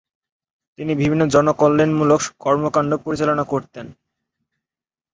তিনি বিভিন্ন জনকল্যাণমুলক কর্মকাণ্ড পরিচালনা করতেন।